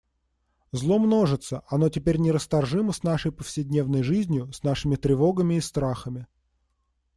Зло множится, оно теперь нерасторжимо с нашей повседневной жизнью, с нашими тревогами и страхами.